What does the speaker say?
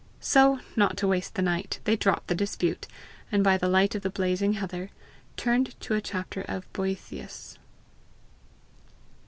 So, not to waste the night, they dropped the dispute, and by the light of the blazing heather, turned to a chapter of Boethius.